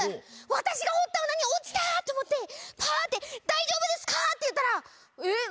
私が掘った穴に落ちたと思ってパッて「大丈夫ですか！」って言ったらえっ